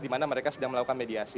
di mana mereka sedang melakukan mediasi